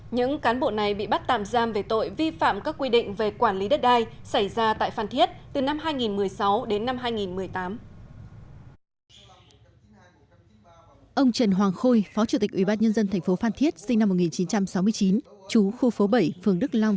những cán bộ này bị bắt tạm giam về tội vi phạm các quy định về quản lý đất đai xảy ra tại phan thiết từ năm hai nghìn một mươi sáu đến năm hai nghìn một mươi tám